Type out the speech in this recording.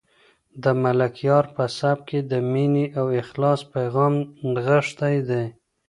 د ملکیار په سبک کې د مینې او اخلاص پیغام نغښتی دی.